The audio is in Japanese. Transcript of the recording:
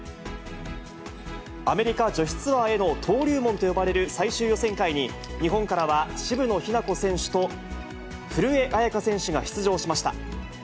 アメリカ女子ツアーへの登竜門と呼ばれる最終予選会に、日本からは渋野日向子選手と古江彩佳選手が出場しました。